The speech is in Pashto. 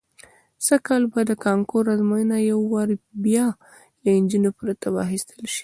سږ کال به د کانکور ازموینه یو وار بیا له نجونو پرته واخیستل شي.